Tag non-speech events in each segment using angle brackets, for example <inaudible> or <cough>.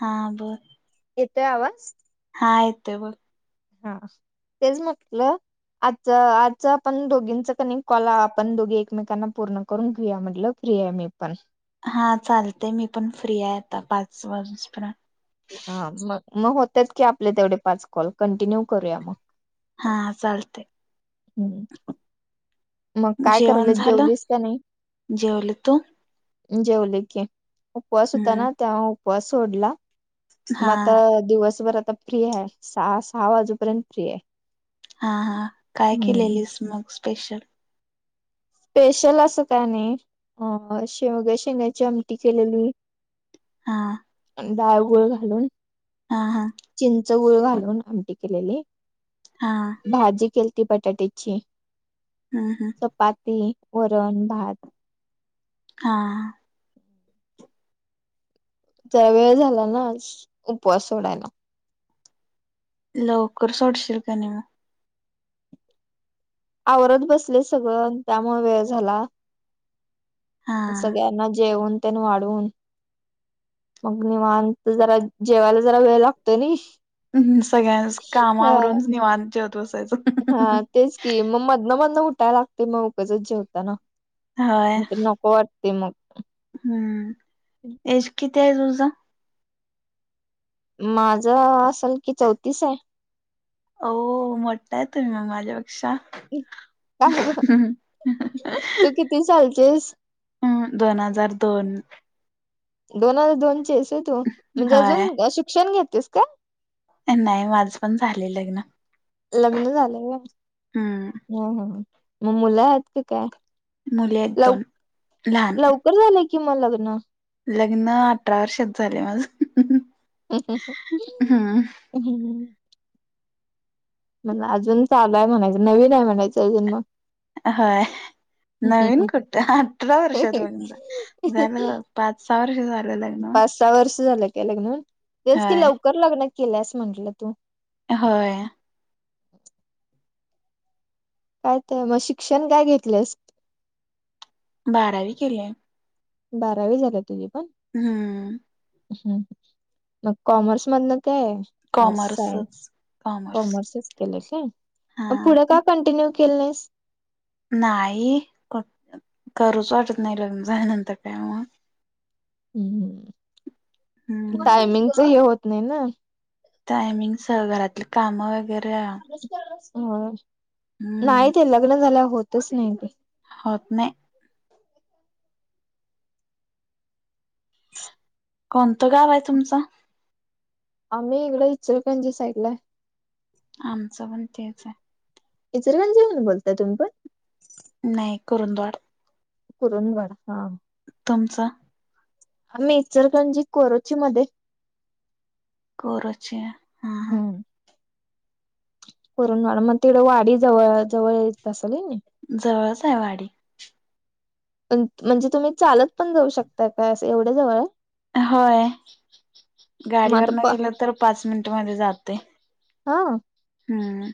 हा बोल. येतोय आवाज. हा येतोय बोल. हां, तेच म्हटलं. आजचं, आजचं आपण दोघींच क नै कॉल आपण दोघी एकमेकांना पूर्ण करून घीऊया म्हटलं फ्री य मी पण. हा चालतय, मी पण फ्री आय आता पाच वाजूसपर्यंत. हा मग- मग होत्यात की आपले तेवढे पाच कॉल, कंटिन्यू करूया मग. हा हा चालतय. हम्म. मग काय जेवण कराल्या, झालं जेवलीस का नाही? जेवले तू अं जेवले की, उपवास होता हम्म ना त्यामुळ उपवास सोडला. हा मग आता दिवसभर आता फ्री हाय, सहा सा वाजूपर्यंत फ्री हाय. हा हा, काय केलेलीस मग स्पेशल? स्पेशल असं काय नाही, अ शेवग्या शेंग्याची आमटी केलेली. हां. डाळगूळ घालून. हा हा. चिंच गूळ घालून आमटी केलेली. हां. भाजी केलती बटाट्याची. हम्म हम्म. चपाती, वरण, भात, हां. जरा वेळ झाला ना आज, उपवास सोडायला. लवकर सोडशिल का नाय मग. आवरत बसले सगळं त्यामुळं वेळ झाला. हा सगळ्यांना जेवन त्यन वाढून मग निवांत जरा, जेवायला जरा वेळ लागतो नाई. हम्म, सगळ्यांच कामं आवरून निवांत जेवत बसायचं. हा तेच की, मग मधनं मधनं उठाय लागतय मग उगचच जेवताना. होय म ते नको वाटतय मग. हम्म,, एज किती आहे तुझं? माझं, असल कि चौतीस हाय. ओ मोट्टय तुम्ही मग माझ्यापेक्षा. का गं, तू किती सालचीयेस? अं, दोन हजार दोन. दोन हजार दोन ची आहेस व्हय तू म्हणजे होय अजून शिक्षण घेतेयस का? नाही माझं पण झालय लग्न. लग्न झालंय व्हय. हम्म ह ह म् मुलं आहेत की काय? मुली आहेत लव दोन लहान. लवकर झालंय की मन लग्न? लग्न अठरा वर्षात झालंय माझं. हम्म <inaudible> म् अजून चालू आहे म्हणायचं नवीन आहे म्हणायचं अजून म् होय नवीन कुठं अठरा वर्षांत म्हणल झालं पाच-सहा वर्ष झालं लग् पाच-सहा वर्ष झालं काय लग्न होऊन. तेच की होय लवकर लग्न केल्यास म्हंटलं तू? होय. काय त् मग शिक्षण काय घेतलेयस? बारावी केलीया. बारावी झालीया तुझी पण? हम्म हं हं म् कॉमर्स मधनं काय? आर्टस् हाय कॉमर्सच कॉमर्स कॉमर्सच केलस व्हय हा म् पुढं का कंटिन्यू केल नाहीस? नाही क् करूच वाटत नाही लग्न झाल्यानंतर काय म्. हुम् हम् हम्म टायमिंगच हे होत नाही ना. टायमिंगच घरातली काम वगैरे हं हम्म नाही ते लग्न झाल्यावर होतच नाही ते. होत नाही. कोणतं गाव हाय तुमचं? आम्ही इकडं इचलकरंजी साईडला हाय. आमचं पण तेच हाय. इचलकरंजी वरून बोलताय तुम्ही पण? नाही कुरुंदवाड. कुरुंदवाड हं. तुमचं? आम्ही इचलकरंजी कोरोची मध्ये. कोरोची हा हा. पुरूनवाड मग तिकडं वाडी जवळ जवळ येत असेल व्हय नी? जवळच आहे वाडी. म्हणजे तुम्ही चालत पण जाऊ शकता काय असं एवढ्या जवळ हाय? होय मग आता गाडीवरन प गेलं तर पाच मिनटमध्ये जातोय. होव. हम्म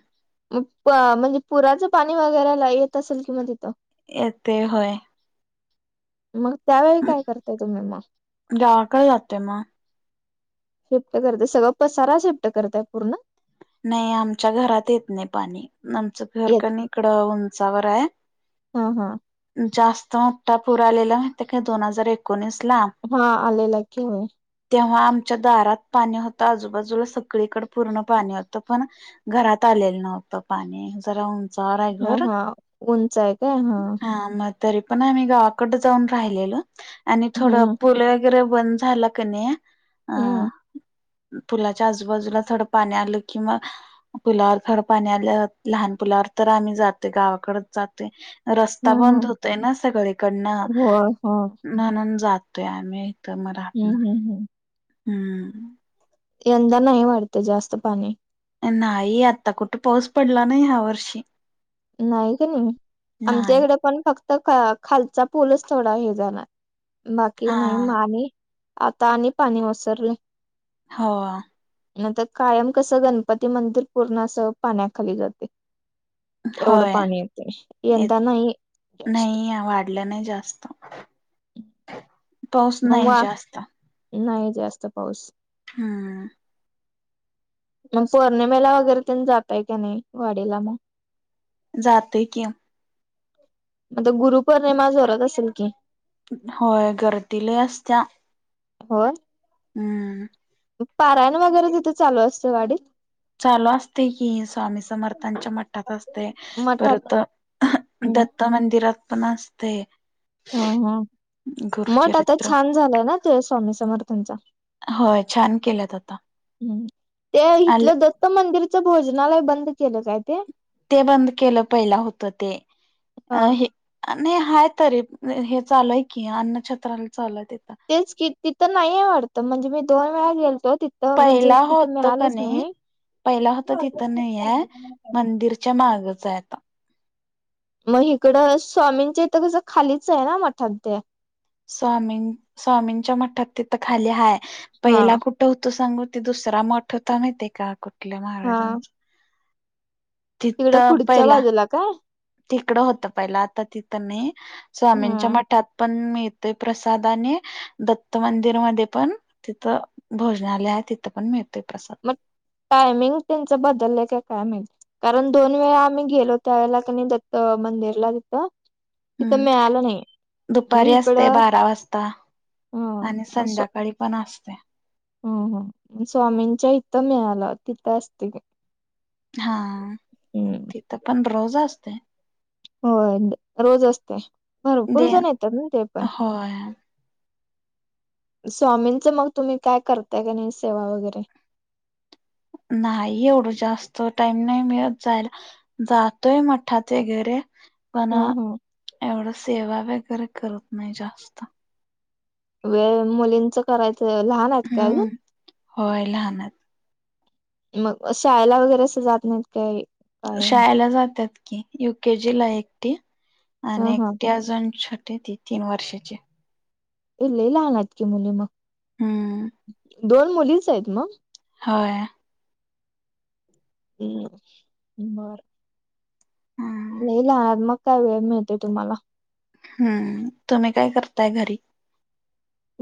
म् प् म्हणजे पुराचं पाणी वगैरे लय येत असेल की म् तिथं? येतय होय. मंग त्यावेळी काय करताय तुम्ही म्? गावाकडे जातोय मग. शिफ्ट करतय. सगळा पसारा शिफ्ट करताय पूर्ण? नाही आमच्या घरात येत नाही पाणी आमचं घर येत कनी इकडं उंचावर हाय. हं हं जास्त मोठा पुर आलेला माहितय का दोन हजार एकोणीसला. हा आलेला की होय. तेव्हा आमच्या दारात पाणी होतं, आजूबाजूला सगळीकडं पूर्ण पाणी हो त पण, घरात आलेलं नव्हतं पाणी, जरा उंच उंचावर हाय हा घर,, हा उंच आहे काय हा म ते तरीपण आम्ही गावाकडं जाऊन राहिलेलं, आणि थोडं हम्म पुलं वगैरे बंद झाला का नि, हम्म अ पुलाच्या आजूबाजूला थोडं पाणी आलं किं म पुलावर खरं पाणी आल्यावर लहान पुलावर, तर आम्ही जातय गावाकडंच जातोय हा रस्ता हा बंद होतोय ना सगळीकडनं, होय होय म्हणून जातोय आम्ही. इथं मग राहत हम्म नाही, हम्म हम्म हम्म. यंदा नाही वाढतं जास्त पाणी. नाही आत्ता कुठं पाऊस पडला नाहि ह्या वर्षी. नाही क नाही, आमच्या नाही इकडं पण फक्त ख खालचा पूलच थोडा हे झालाय. बाकी हा नाही म आम्ही, आता आणि ओसरलं. हो. नाहीतर कायम कसं गणपती मंदिर पूर्ण असं पाण्याखाली जातय. एवढं होय पाणी येतय, यंदा नाही जास्त. पडला नाही जास्त, पाऊस मग नाही वा जास्त. नाही जास्त पाऊस. हम्म. मग पौर्णिमेला वगैरे तेनं जातय का नाही, वाडीला मग.? जातोय की. आता गुरुपोर्णिमा जोरात असल की. होय गर्दी लय आसत्या. होय. हम्म. पारायण वगैरे तिथं चालू असतय वाडीत. चालू असतय की, स्वामी समर्थांच्या मठात असतय. मठात दत्त मंदिरात पण असतय. हं हं, मठ आता गुरुचरित्र छान झालाय ना ते स्वामी समर्थांचा. होय, छान केल्यात आता. हम्म, ते आले इथलं दत्त मंदिरचं भोजनालय बंद केलं काय ते? ते बंद केलं पयलं हुतं ते, हा अ हे आणि हाय तरी, हे चालु हाय की, अन्न छत्रालय चालू हाय तिथं. तेच की, तिथं नाहीये वाटतं, म्हणजे मी दोन वेळा गेलतो, तिथं म्हणजे पहिला तिथं होत मिळालंच कणै, नाही पहिला होतं तिथं नाहीयाय, मंदिर च्या मागचं हाय आता. मग हिकडं स्वामींच्या इथं कसं खालीच आहे ना मठात ते. स्वामी, स्वामींच्या मठात तिथं खाली हाय, हा पयला कुठ कुठं हुतं सांगू, ते दुसरा मठ हुता माहितय का, कुठल्या महाराजांचं तिगडं पुढच्या बाजूला काय तिकडं होतं पहिला आता तिथं नाई, स्वामींच्या हम्म. मठात पण मिळतय प्रसाद आणि दत्त मंदिर मध्ये पण तिथं भोजनालय आहे, तिथं पण मिळतोय प्रसाद- मग टायमिंग त्यांचं बदलंय का काय माहित. कारण दोन वेळा आम्ही गेलो त्यावेळेला दत्त मंदिरला तिथं. तिथं हम्म मिळालं नाही. मग दुपारी असते इकडं बारा वाजता. ह आणि संध्याकाळी पण असते. हो हो स्वामींच्या इथं मिळालं तिथं असते. हा हम्म तिथं पण रोज असते. होय रोज असते. भरपूर देन जण येतात न ते पण, <inaudible> स्वामींचं मग तुम्ही काय करताय का नाही सेवा वगैरे. नाही एवढं जास्त टाईम नाही मिळत जायला. जातोय मठाचे वगैरे पण, हा हा एवढं सेवा वगैरे करत नाही जास्त. वेळ मुलींच करायचं लहान आहेत काय अजून, हम्म होय लहान आहेत मग शाळेला वगैरे असं जात नाहीत काय. काय? शाळेला जातात कि, युकेजी ला एकटी हा आणि हा एकटी अजून छोटे ती तीन वर्षाची. इ लय लहानत की मुली मग, हम्म दोन मुलीच आहेत मग. हा ना. हम्म बर हम्म लय लहान मग काय वेळ मिळते तुम्हाला. हम्म, तुम्ही काय करताय घरी?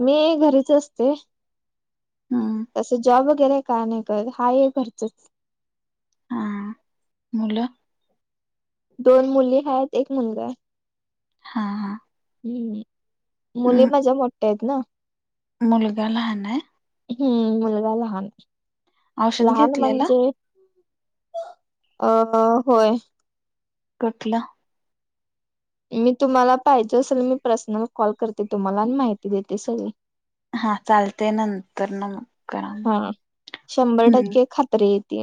मी घरीच असते. हम्म हम्म तसं जॉब वगैरे काय नाही करत. हा य घरचंच. हा मुलं? दोन मुली हायेत एक मुलगा हाय हा हा हम्म मुली म- माझ्या मोठ्या आहेत ना. मुलगा लहान हाय. हम्म मुलगा लहान, औषध लहान घेतलेलं म्हणजे? अ होय. कटलं <unintelligible> मी तुम्हाला पाहिजे असेल मी पर्सनल कॉल करते तुम्हाला आणि माहिती देते सगळी. हा चालते नंतर ना मग करा हा शंभर हम्म टक्के खात्री येत.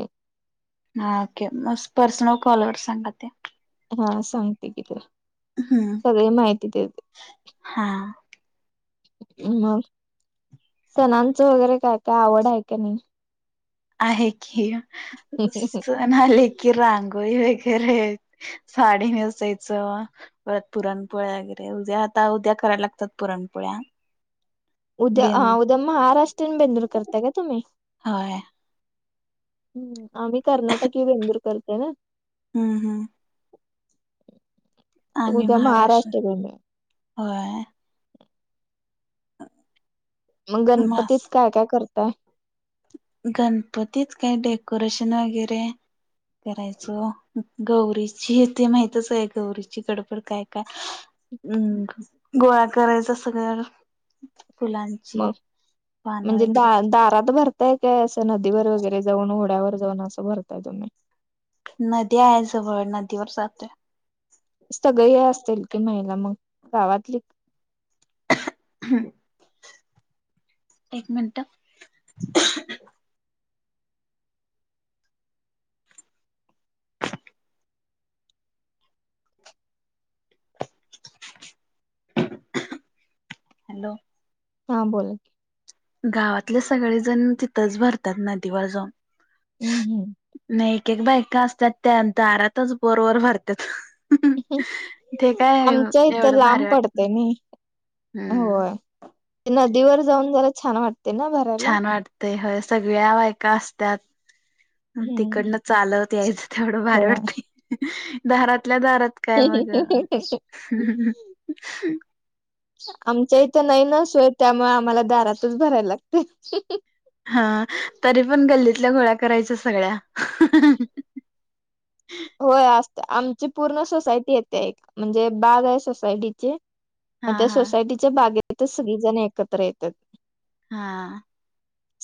हा ओके म पर्सनल कॉलवर सांगा ते. हा सांगते की तला हम्म सगळे माहिती देते. हा मग सणांचं वगैरे काय काय आवड आहे का नाही? आहे की सण आले की रांगोळी वगैरे. साडी नेसायचं. परत पुरणपोळ्या वगैरे उद्या आता उद्या करायला लागतात पुरणपोळ्या, उद्या, बेन उद्या महाराष्ट्रन बेंदूल करताय का तुम्ही? होय हम्म आम्ही कर्नाटकी बेंदूर करतोय. हम्म हम्म तर आम्ही उद्या महाराष्ट्र. बेंदूर. होय मंग मस् गणपतीत काय काय करताय? गणपतीत काय डेकोरेशन वगैरे करायचो गौरीचीय ते माहितच आहे गौरीची गडबड काय काय हम्म गोळा करायचा सगळ्याला फुलां मग म्हणजे दा दारात भर ताय काय असं नदीवर वगैरे जाऊन ओड्यावर जाऊन असं भरताय तुम्ही? नदी आहे जवळ नदीवर जातोय. सगळी असतील की महिला मंग गावातली? हम्म एक मिनटं हॅलो. हां बोला की. गावातले सगळे जण तिथंच भरत्यात नदीवर जाऊन हम्म हम्म. नाही एक एक बायका असत्यात त्या दारातच बोर वर भरत्यात. आमच्या इथं भारी लांब वाटत पडते नाही हम्म होय. ते नदीवर जाऊन जरा छान वाटते ना भर छान वाटतेय होय सगळ्या बायका असत्यात. हम्म तिकडनं चालवत यायचं तेवढं भारी होय. वाटते दारातल्या दारात काय मगा आमच्या इथे नाही ना सोय त्यामुळे आम्हाला दारातच भराय लागते. हा तरी पण गल्लीतल्या घोळ्या करायच्या सगळ्या. होय असते आमची पूर्ण सोसायटी येते एक म्हणजे बाग आहे सोसायटीचे मग हा त्या हा सोसायटीच्या बागेतच सगळी जणे एकत्र येतात. हां.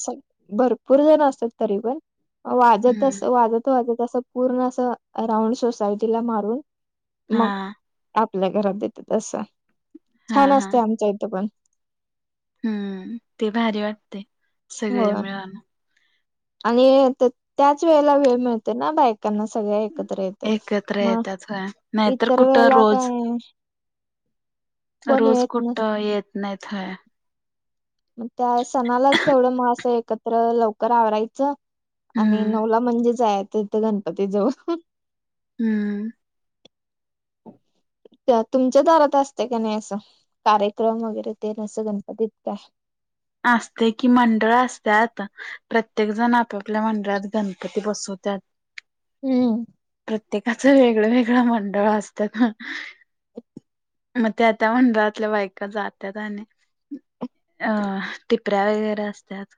स भरपूर जण असतात तरी पण वाजतस हम्म वाजत वाजत असं पूर्ण असं राऊंड सोसायटीला मारून हा मग आपल्या घरात देतात असं हा छान हा असते आमच्या इथं पण. हम्म ते भारी वाटते हो सगळे मिळून आणि तेत त्याच वेळेला वेळ मिळते ना बायकांना सगळ्या एक एकत्र येत्यात होय नाहीतर इतर कुठं वेळेला रोज. काय कोण रोज येत कुठ नसत येत नाहीत होय. मग त्या सणालाच तेवढं म असं एकत्र लवकर आवरायचं आणि हम्म नऊला म्हणजे जाय तिथे गणपती जवळ. हम्म. त्या तुमच्या दारात असते का नाही असं कार्यक्रम वगैरे ते नसं गणपतीत काय? असतंय की मंडळ असत्या आता. प्रत्येक जण आपापल्या मंडळात गणपती बसवत्यात. हम्म. प्रत्येकाचं वेगळ वेगळं मंडळ असत्यात हा. मग त्या त्या मंडळातल्या बायका जात्यात आणि अ टिपऱ्या वगैरे असत्यात.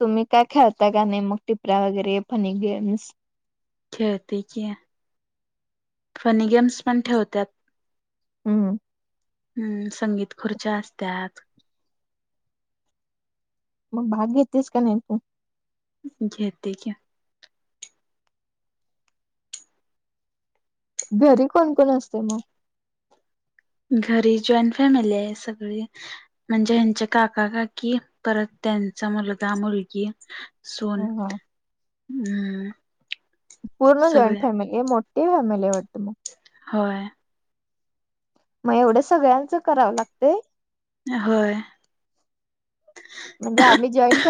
तुम्ही काय खेळता का नाही मग टिपऱ्या वगैरे फनी गेम्स खेळतेय कीया फनी गेम्स पण ठेवत्यात. हम्म हम्म संगीत खुर्च्या असत्यात. मग भाग घेतस का नाही तू? घेते की. घरी कोण कोण असते मग? घरी जॉईंट फॅमिली आहे सगळी. म्हणजे यांचे काका, काकी परत त्यांचा मुलगा, मुलगी. सून ह हम् पूर्ण जॉईन फॅमिली आहं मोठी फॅमिली आहं वाटतं. होय. मग एवढं सगळ्यांचं करावं लागतंय? होय. म्हणजे आम्ही जॉईन फॅमिली,